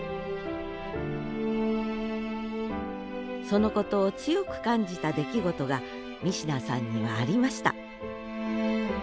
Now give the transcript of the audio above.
そのことを強く感じた出来事が三品さんにはありました